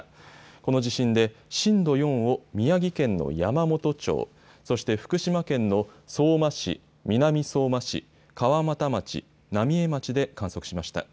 この地震で震度４を宮城県の山元町、そして福島県の相馬市、南相馬市、川俣町、浪江町で観測しました。